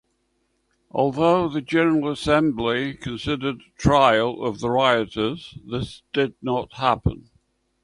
Although the General Assembly considered trial of the rioters this did not happen.